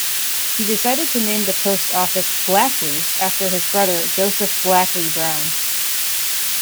He decided to name the post office "Blackey", after his brother Joseph "Blackey" Brown.